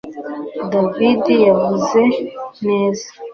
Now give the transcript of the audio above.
David yavuze neza